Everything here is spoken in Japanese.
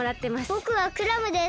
ぼくはクラムです。